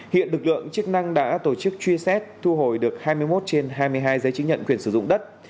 hiện lực lượng chức năng đã tổ chức truy xét thu hồi được hai mươi một trên hai mươi hai giấy chứng nhận quyền sử dụng đất